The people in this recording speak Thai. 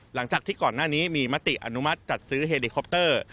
หลังจากที่ก่อนหน้านี้มีมติอนุมัติจัดซื้อเฮลิคอปเตอร์